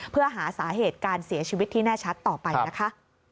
เพื่อหาสาเหตุการเสียชีวิตที่แน่ชัดต่อไปนะคะ